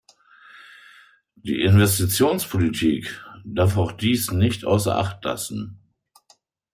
Die Investitionspolitik darf auch dies nicht außer Acht lassen.